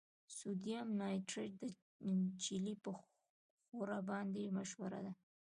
د سوډیم نایټریټ د چیلي په ښوره باندې مشهوره ده.